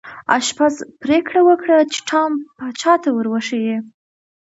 آشپز پریکړه وکړه چې ټام پاچا ته ور وښيي.